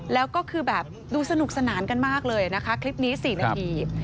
แล้วก็คือแบบดูสนุกสนานกันมากเลยนะคะคลิปนี้๔นาที